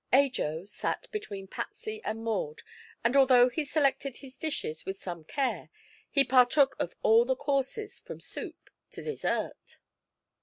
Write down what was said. Ajo sat between Patsy and Maud and although he selected his dishes with some care he partook of all the courses from soup to dessert.